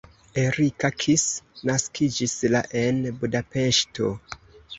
Erika Kiss naskiĝis la en Budapeŝto.